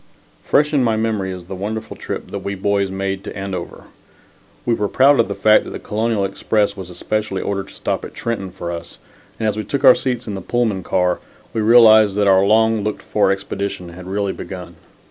Fresh in my memory is the wonderful trip that we boys made to Andover. We were proud of the fact that the Colonial Express was especially ordered to stop at Trenton for us, and as we took our seats in the Pullman car, we realized that our long looked for expedition had really begun.